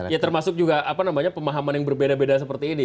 ya termasuk juga pemahaman yang berbeda beda seperti ini